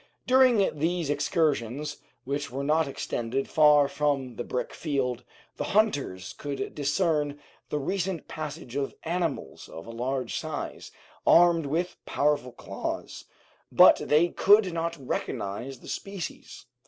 During these excursions, which were not extended far from the brick field, the hunters could discern the recent passage of animals of a large size, armed with powerful claws, but they could not recognize the species.